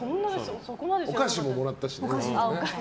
お菓子ももらったしね。